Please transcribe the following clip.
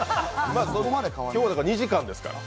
今日は２時間ですから。